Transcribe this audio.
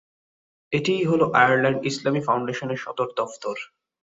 এটিই হল আয়ারল্যান্ড ইসলামী ফাউন্ডেশনের সদর দফতর।